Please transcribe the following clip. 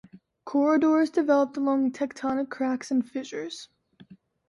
Corridors developed along tectonic cracks and fissures.